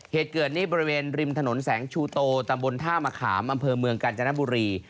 เหตุเกิดนี้บริเวณริมถนนแสงชูโตตำบลท่ามะขามอำเภอเมืองกาญจนบุรี